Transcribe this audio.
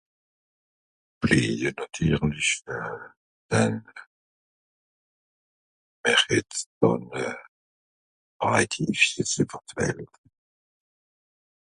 Incompréhensible